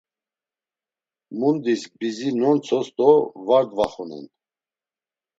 Mundis bizi nontsos do var dvaxunen.